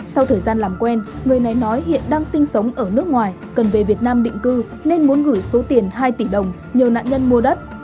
sau thời gian làm quen người này nói hiện đang sinh sống ở nước ngoài cần về việt nam định cư nên muốn gửi số tiền hai tỷ đồng nhờ nạn nhân mua đất